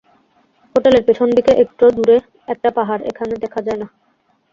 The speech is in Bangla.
হোটেলের পেছন দিকে একটু দূরে একটা পাহাড়, এখন দেখা যায় না।